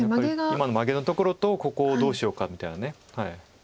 今のマゲのところとここをどうしようかみたいな。